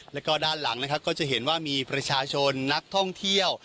แล้วก็ด้านหลังนะครับก็จะเห็นว่ามีประชาชนนักท่องเที่ยว